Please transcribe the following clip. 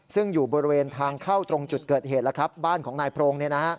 ซึ่งอยู่บริเวณทางเข้าตรงจุดเกิดเหตุแล้วครับบ้านของนายโพรง